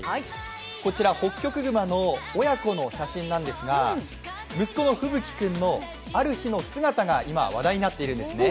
こちらホッキョクグマの親子の写真なんですが、息子のフブキ君のある日の姿が今、話題になってるんですね。